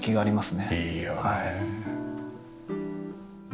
いいよね。